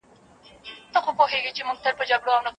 تاسو له نورو سره ډیري روښانه خبري کوئ.